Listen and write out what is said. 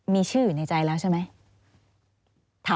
มีชื่ออยู่ในใจแล้วใช่ไหม